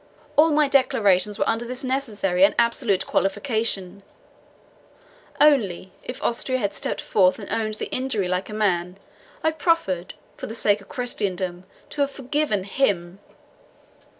All my declarations were under this necessary and absolute qualification; only, if Austria had stepped forth and owned the injury like a man, I proffered, for the sake of Christendom, to have forgiven HIM."